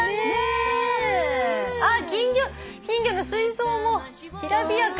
あっ金魚の水槽もきらびやか。